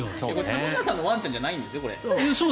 玉川さんのワンちゃんじゃないんですよ、これ。